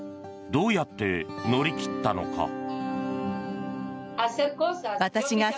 どうやって乗り切ったのか。